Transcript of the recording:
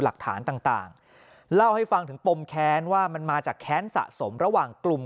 หลักฐานต่างเล่าให้ฟังถึงปมแค้นว่ามันมาจากแค้นสะสมระหว่างกลุ่ม